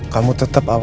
dan menurut buka pintu